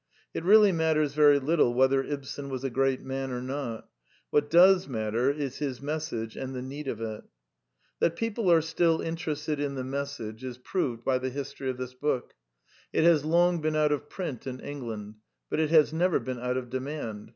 It really matters very little whether Ibsen was a great man or not : what does matter is his message and the need of it. That people are still interested in the message Preface: 1913 ix is proved by the history of this book. It has long been out of print in England; but it has never been out of demand.